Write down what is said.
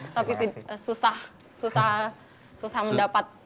tapi susah susah mendapat